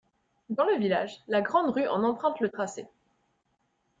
Dans le village, la Grande Rue en emprunte le tracé.